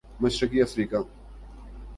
مشرقی افریقہ